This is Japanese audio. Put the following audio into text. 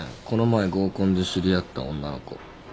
この前合コンで知り合った女の子。